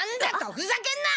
ふざけんな！